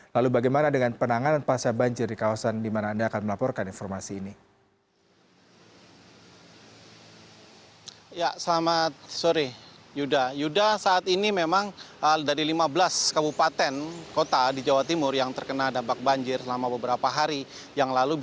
lalu bagaimana dengan penanganan pasca banjir di kawasan di mana anda akan melaporkan informasi ini